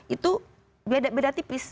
itu beda beda tipis